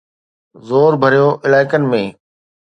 زور ڀريو علائقن ۾